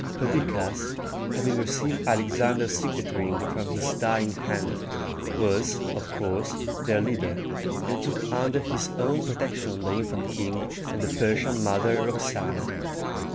Perdiccas, having received Alexander's signet ring from his dying hand, was, of course, their leader, and took under his own protection the infant king and the Persian mother Roxana.